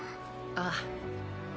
ああ。